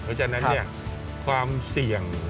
เพราะฉะนั้นความเสี่ยง